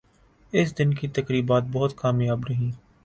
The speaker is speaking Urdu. اس دن کی تقریبات بہت کامیاب رہیں ۔